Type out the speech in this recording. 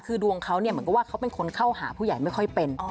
คือดวงเขาเนี่ยเหมือนกับว่าเขาเป็นคนเข้าหาผู้ใหญ่ไม่ค่อยเป็น